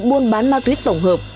buôn bán ma túy tổng hợp